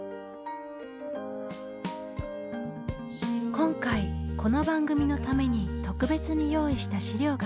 今回この番組のために特別に用意した資料があります。